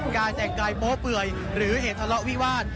การแต่งกายโป๊เปื่อยหรือเหตุทะเลาะวิวาส